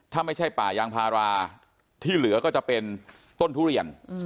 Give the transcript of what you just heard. ถ้าไม่ใช่ป่ายางพาราที่เหลือก็จะเป็นต้นทุเรียน